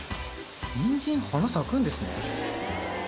にんじん花咲くんですね。